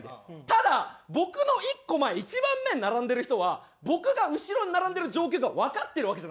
ただ僕の１個前１番目に並んでる人は僕が後ろに並んでる状況がわかってるわけじゃないですか。